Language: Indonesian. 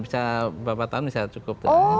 bisa berapa tahun bisa cukup